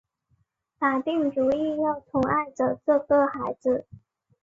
打定主意要宠爱着这个孩子